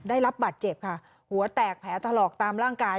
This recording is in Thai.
ได้รับบาดเจ็บค่ะหัวแตกแผลถลอกตามร่างกาย